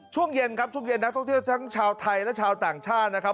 ช่วงเย็นครับช่วงเย็นนักท่องเที่ยวทั้งชาวไทยและชาวต่างชาตินะครับ